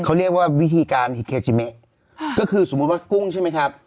เขาเรียกว่าวิธีการหิเคจิเมะก็คือสมมุติว่ากุ้งใช่ไหมครับ